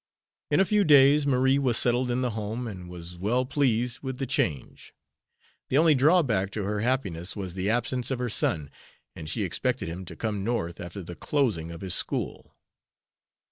In a few days Marie was settled in the home, and was well pleased with the change. The only drawback to her happiness was the absence of her son, and she expected him to come North after the closing of his school.